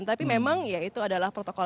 tapi memang ya itu adalah protokol